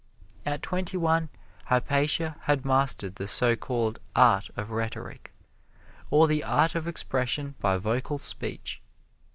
At twenty one Hypatia had mastered the so called art of Rhetoric, or the art of expression by vocal speech.